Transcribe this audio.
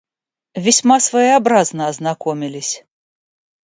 Весьма своеобразно ознакомились.